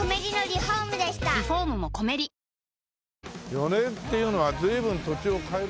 ４年っていうのは随分土地を変える。